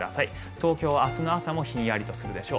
東京は明日の朝もひんやりとするでしょう。